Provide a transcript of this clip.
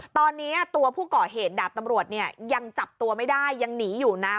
ตอนนี้ตัวผู้ก่อเหตุดาบตำรวจเนี่ยยังจับตัวไม่ได้ยังหนีอยู่นะ